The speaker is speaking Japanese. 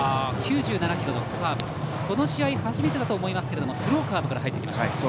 この試合初めてだと思いますけどもスローカーブから入ってきました。